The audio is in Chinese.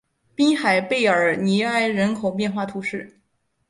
滨海贝尔尼埃人口变化图示